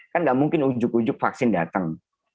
kan nggak mungkin ujug ujug vaksin datang